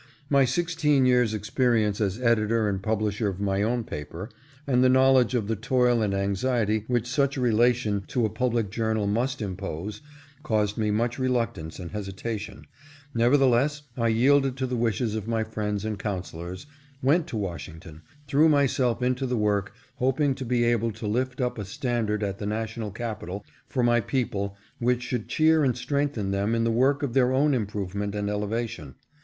My sixteen years' 486 THE NEW NATIONAL ERA. experience as editor and publisher of my own paper, and the knowledge of the toil and anxiety which such a rela tion to a public journal must impose, caused me much reluctance and hesitation ; nevertheless, I yielded to the wishes of my friends and counsellors, went to Washing ton, threw myself into the work, hoping to be able to lift up a standard at the national capital for my people which should cheer and strengthen them in the work of their own improvement and elevation.